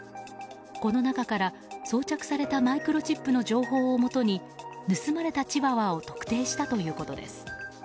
この中から装着されたマイクロチップの情報をもとに盗まれたチワワを特定したということです。